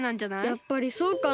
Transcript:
やっぱりそうかな。